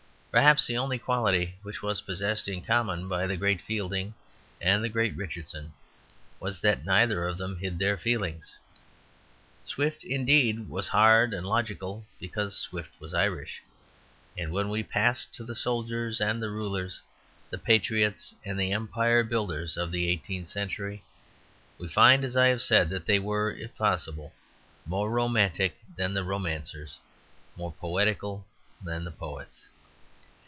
Perhaps the only quality which was possessed in common by the great Fielding, and the great Richardson was that neither of them hid their feelings. Swift, indeed, was hard and logical, because Swift was Irish. And when we pass to the soldiers and the rulers, the patriots and the empire builders of the eighteenth century, we find, as I have said, that they were, If possible, more romantic than the romancers, more poetical than the poets.